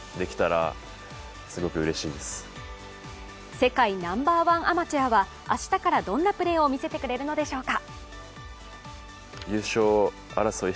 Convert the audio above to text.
世界ナンバーワンアマチュアは明日からどんなプレーを見せてくれるのでしょうか。